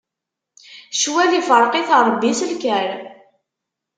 Ccwal ifṛeq-it Ṛebbi s lkaṛ.